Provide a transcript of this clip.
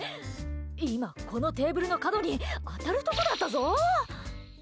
今、このテーブルの角に当たるところだったぞ。